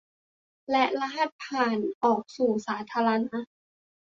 และรหัสผ่านออกสู่สาธารณะ